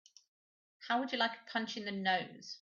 How would you like a punch in the nose?